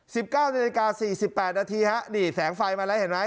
๑๙นาฬิกา๔๘นาฬิกาฮะนี่แสงไฟมาแล้วเห็นไหม